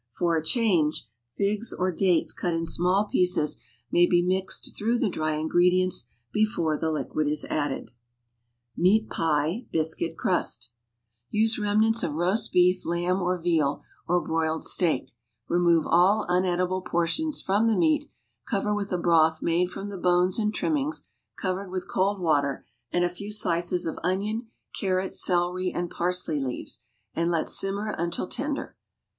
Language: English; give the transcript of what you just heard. For a change, figs or dates cut in small pieces may be mixed through the dry ingredients before the liquid is added. MEAT PIE, BISCUIT CRUST Use remnants of roast beef, lamb or veal or broiled steak; remove all unedible portions from the meat, cover witli broth made from the bones and trimmings covered witli cold water, and a fe\v slices of onion, carrot, celery and parsley leaves, and let simmer until tender.